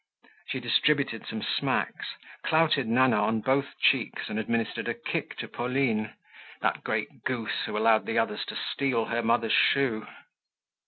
She distributed some smacks, clouted Nana on both cheeks and administered a kick to Pauline, that great goose who allowed the others to steal her mother's shoe.